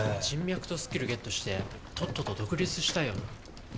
人脈とスキルゲットしてとっとと独立したいよな。